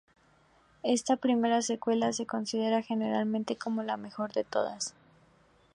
Esta primera secuela es considerada generalmente como la mejor de todas.